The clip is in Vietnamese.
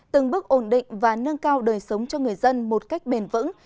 từng bước ổn định và nâng cao đời sống cho người dân một cách bền vững